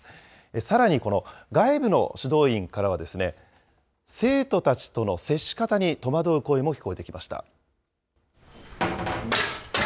さらに、この外部の指導員からは、生徒たちとの接し方に戸惑う声も聞こえてきました。